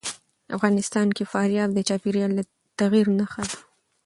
افغانستان کې فاریاب د چاپېریال د تغیر نښه ده.